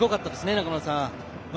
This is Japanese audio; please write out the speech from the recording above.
中村さん。